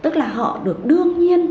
tức là họ được đương nhiên